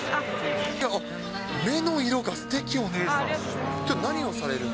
あっ、目の色がすてき、お姉さん。